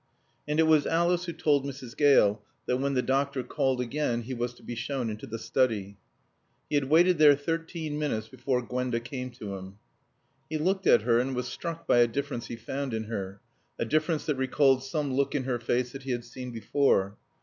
And it was Alice who told Mrs. Gale that when the doctor called again he was to be shown into the study. He had waited there thirteen minutes before Gwenda came to him. He looked at her and was struck by a difference he found in her, a difference that recalled some look in her face that he had seen before.